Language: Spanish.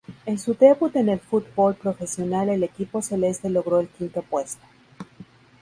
En su debut en el fútbol profesional el equipo celeste logró el quinto puesto.